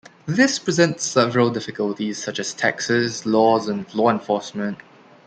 This presents several difficulties such as taxes, laws and law enforcement.